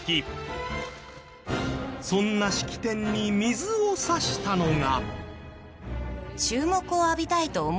そんな式典に水を差したのが。